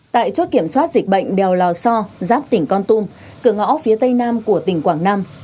tại chốt kiểm soát dịch bệnh đèo lò so giáp tỉnh con tum cửa ngõ phía tây nam của tỉnh quảng nam